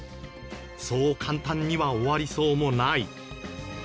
そう簡単には終わりそうもない。